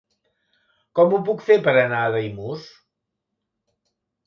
Com ho puc fer per anar a Daimús?